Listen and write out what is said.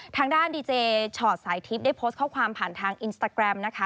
ทางด้านดีเจชอตสายทิพย์ได้โพสต์ข้อความผ่านทางอินสตาแกรมนะคะ